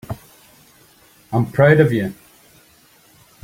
I'm proud of you.